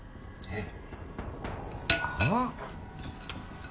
えっ？